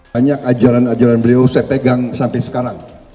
banyak ajaran ajaran beliau saya pegang sampai sekarang